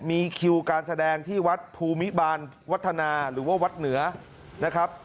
มีคิวการแสดงที่วัดภูมิบาลวัฒนาหรือว่าวัดเหนือนะครับ